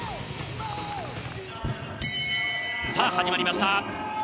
さあ、始まりました。